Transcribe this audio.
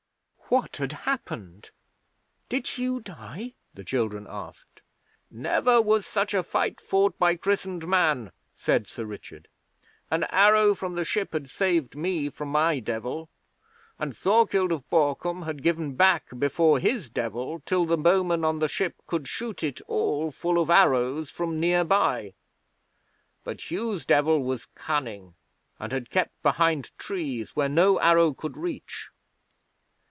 'What had happened? Did Hugh die?'the children asked. 'Never was such a fight fought by christened man,' said Sir Richard. 'An arrow from the ship had saved me from my Devil, and Thorkild of Borkum had given back before his Devil, till the bowmen on the ship could shoot it all full of arrows from near by; but Hugh's Devil was cunning, and had kept behind trees, where no arrow could reach.